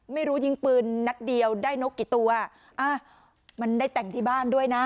ไม่รู้ยิงปืนนัดเดียวได้นกกี่ตัวอ่ะมันได้แต่งที่บ้านด้วยนะ